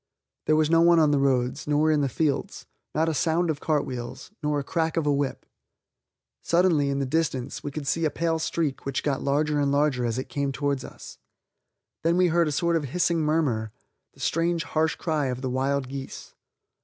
There was no one on the roads, nor in the fields, not a sound of cart wheels, nor the crack of a whip. Suddenly, in the distance, we could see a pale streak which got larger and larger as it came towards us. Then we heard a sort of hissing murmur, the strange, harsh cry of the wild geese.